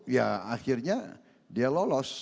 ya akhirnya dia lolos